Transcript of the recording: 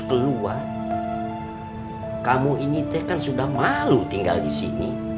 keluar kamu ini tekan sudah malu tinggal di sini